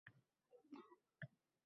Majburlov demokratiyaga xosmi?